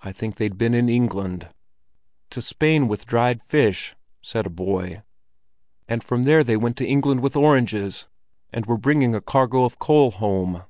"I think they'd been in England." "To Spain with dried fish," said a boy. "And from there they went to England with oranges, and were bringing a cargo of coal home."